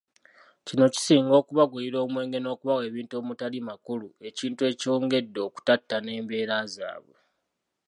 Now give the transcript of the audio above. Kino kisinga okubagulira omwenge n'okubawa ebintu omutali makulu, ekintu ekyongedde okuttattana embeera zaabwe.